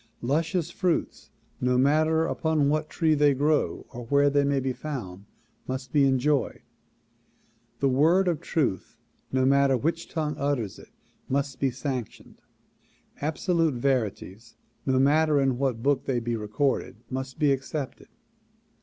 Luscious fruits no matter upon what tree they grow or where they may be found must be enjoyed. The word of truth no matter w^iich tongue utters it must be sanctioned. Absolute verities no matter in what book they be recorded must be ac cepted.